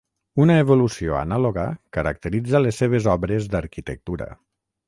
Una evolució anàloga caracteritza les seves obres d'arquitectura.